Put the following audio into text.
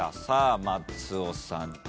さあ松尾さん。